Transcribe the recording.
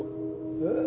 えっ。